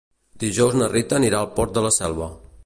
Dijous na Rita anirà al Port de la Selva.